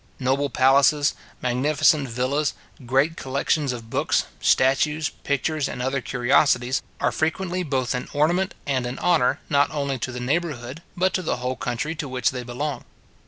Noble palaces, magnificent villas, great collections of books, statues, pictures, and other curiosities, are frequently both an ornament and an honour, not only to the neighbourhood, but to the whole country to which they belong.